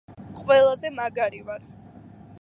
ყველაზე მაგარი ვარ.